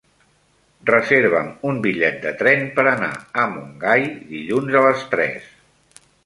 Reserva'm un bitllet de tren per anar a Montgai dilluns a les tres.